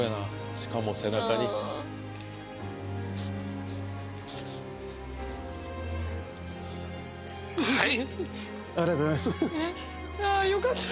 しかも背中にはい！